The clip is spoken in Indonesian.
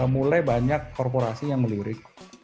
mulai banyak korporasi yang melirik